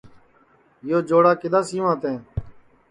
یو چوڑا کِدؔا سیواں تیں